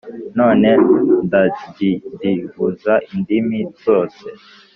none ndadidibuza indimi zose.